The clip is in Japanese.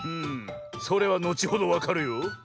それはのちほどわかるよ。